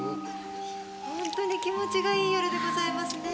ホントに気持ちがいい夜でございますね。